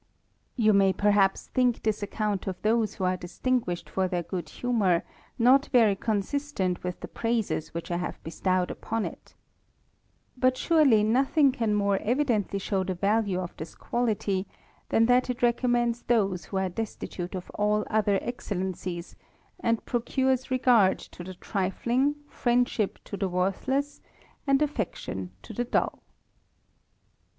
You may perhaps think this account of those who s distinguished for their good huraour, not very consist&Qt with the praises which I have bestowed upon it But a nothing can more evidently show the value of this ( THE RAMBLER. 10^ I tit an tha t it recommends those w ho ar e destitut e of all other excellencies, and procures regard to the trifling, friendship to the worthless, and affection to the dull.